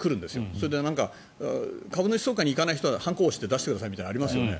それで、株主総会に行かない人は判子を押して出してくださいってありますよね。